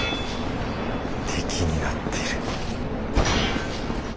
敵になってる。